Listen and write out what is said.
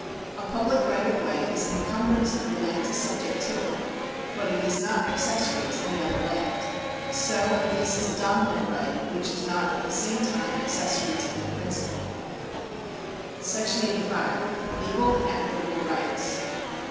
, A public right of way is an encumbrance of the land subject to it, but it is not accessory to any other land. So a lease is a dominant right which is not at the same time accessory to any principal. § 85. Legal and Equitable Rights.